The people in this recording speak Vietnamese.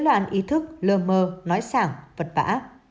loạn ý thức lờ mờ nói sảng vật vả